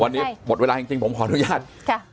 วันนี้หมดเวลาจริงจริงผมขออนุญาตค่ะ